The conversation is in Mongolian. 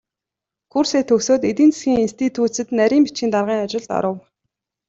Курсээ төгсөөд эдийн засгийн институцэд нарийн бичгийн даргын ажилд оров.